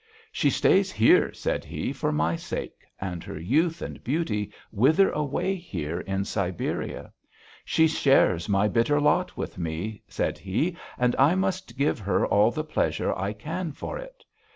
'She stays here,' said he, 'for my sake, and her youth and beauty wither away here in Siberia. She shares my bitter lot with me,' said he, 'and I must give her all the pleasure I can for it....'